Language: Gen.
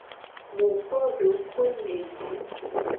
Mu kpo dokoe nye ji.